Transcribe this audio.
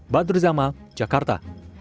badru zammal jakarta